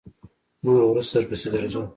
نور وروسته درپسې درځو.